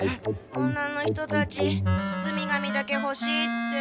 女の人たち包み紙だけほしいって。